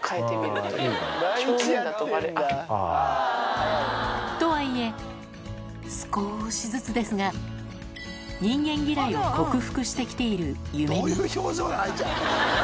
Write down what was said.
いいね。とはいえ、すこーしずつですが、人間嫌いを克服してきているゆめみ。